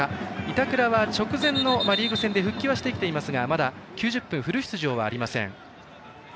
板倉は直前のリーグ戦で復帰はしてきていますがまだ９０分フル出場はありません。